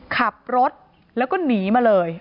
ขับรถแล้วก็หนีมาเลย